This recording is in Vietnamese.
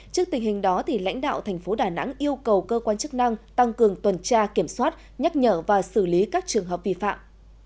trước tình hình đó lãnh đạo thành phố đà nẵng yêu cầu cơ quan chức năng tăng cường tuần tra kiểm soát nhắc nhở và xử lý các trường hợp vi phạm